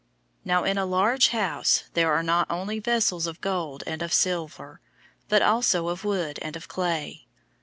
002:020 Now in a large house there are not only vessels of gold and of silver, but also of wood and of clay.